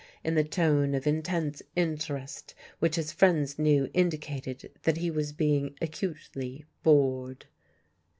in the tone of intense interest which his friends knew indicated that he was being acutely bored.